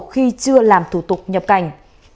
khi chưa làm thủ tục nhập cảnh